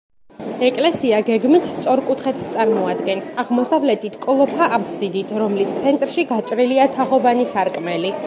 ეკლესია გეგმით სწორკუთხედს წარმოადგენს, აღმოსავლეთით კოლოფა აბსიდით, რომლის ცენტრში გაჭრილია თაღოვანი სარკმელი.